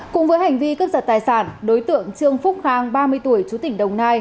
cùng với hành vi cướp giật tài sản đối tượng trương phúc khang ba mươi tuổi chú tỉnh đồng nai